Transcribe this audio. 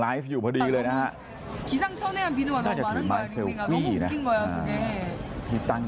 อันนี้อะไรกัน